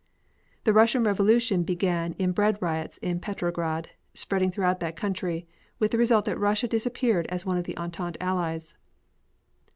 The Russian revolution beginning in bread riots in Petrograd, spread throughout that country, with the result that Russia disappeared as one of the Entente Allies.